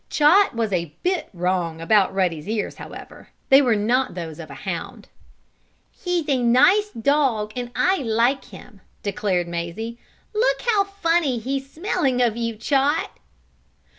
Chot was a bit wrong about Ruddy's ears, however. They were not those of a hound. "He's a nice dog, and I like him!" declared Mazie. "Look how funny he's smelling of you, Chot."